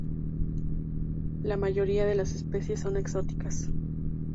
La mayoría de las especies son exóticas.